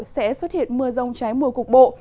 sẽ xuất hiện mưa rông trái mùa cục bộ